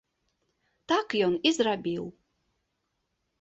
Так ён і зрабіў.